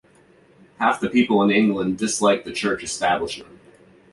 Half the people in England dislike the church establishment.